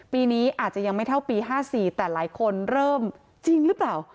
ปีนี้อาจจะยังไม่เท่าปี๕๔แต่หลายคนเริ่มจริงหรือเปล่า